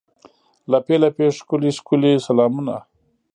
لپې، لپې ښکلي، ښکلي سلامونه